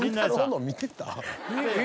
の見てた？